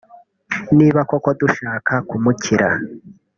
niba koko dushaka kumukira